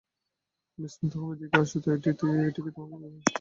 তুমি বিস্মিত হবে, এদিকে আসো এটি কি তোমাকে ভয় দেখাচ্ছে?